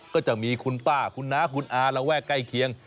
ก็จะมีคุณป้าคุณน้าคุณอาระแวกใกล้เคียง